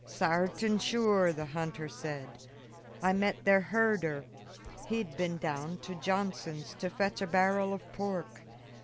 "Sartin sure," the hunter said. "I met their herder; he had been down to Johnson's to fetch a barrel of pork.